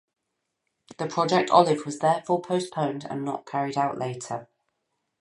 The Project Olive was therefore postponed and not carried out later.